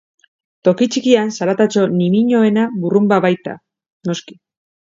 Toki txikian, zaratatxo ñimiñoena burrunba baita, noski.